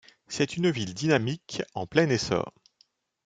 C'est une ville dynamique en plein essor.